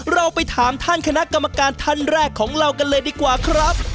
เราไปถามท่านคณะกรรมการท่านแรกของเรากันเลยดีกว่าครับ